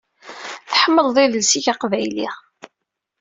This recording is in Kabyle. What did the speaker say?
Tḥemmleḍ idles-ik aqbayli.